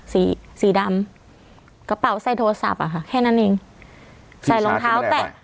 สีสีดำกระเป๋าใส่โทรศัพท์อ่ะค่ะแค่นั้นเองใส่รองเท้าแตะ